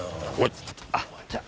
あじゃあ。